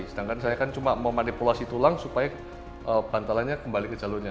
sedangkan saya kan cuma mau manipulasi tulang supaya bantalanya kembali ke jalurnya